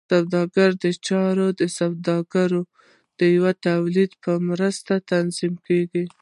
سوداګریزې چارې د سوداګرو د یوې ټولنې په مرسته تنظیم کړې.